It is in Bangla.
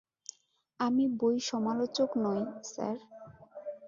আমি বই সমালোচক নই, স্যার।